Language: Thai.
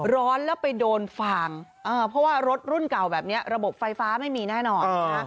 ร้อนแล้วไปโดนฟางเพราะว่ารถรุ่นเก่าแบบนี้ระบบไฟฟ้าไม่มีแน่นอน